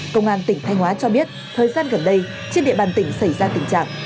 công an tỉnh thanh hóa cho biết thời gian gần đây trên địa bàn tỉnh xảy ra tình trạng